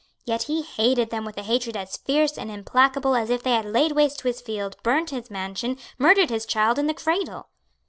Yet he hated them with a hatred as fierce and implacable as if they had laid waste his fields, burned his mansion, murdered his child in the cradle.